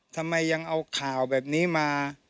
ทำไมยังเอาข่าวแบบนี้มา